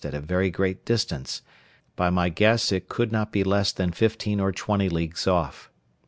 at a very great distance; by my guess it could not be less than fifteen or twenty leagues off.